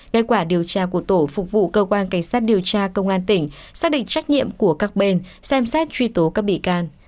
kết quả điều tra của tổ phục vụ cơ quan cảnh sát điều tra công an tỉnh xác định trách nhiệm của các bên xem xét truy tố các bị can